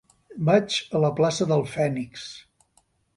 Vaig a la plaça del Fènix.